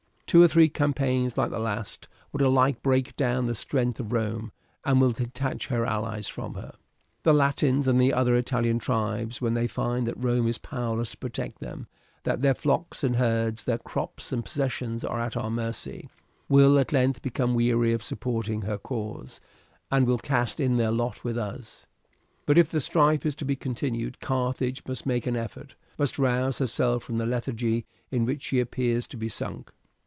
Two or three campaigns like the last would alike break down the strength of Rome, and will detach her allies from her. "The Latins and the other Italian tribes, when they find that Rome is powerless to protect them, that their flocks and herds, their crops and possessions are at our mercy, will at length become weary of supporting her cause, and will cast in their lot with us; but if the strife is to be continued, Carthage must make an effort must rouse herself from the lethargy in which she appears to be sunk.